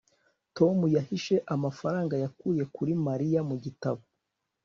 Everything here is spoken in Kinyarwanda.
tom yahishe amafaranga yakuye kuri mariya mu gitabo